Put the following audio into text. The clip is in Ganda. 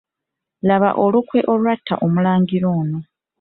Laba olukwe olwatta Omulangira ono.